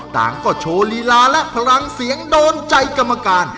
ต่างก็โชว์ลีลาและพลังเสียงโดนใจกรรมการ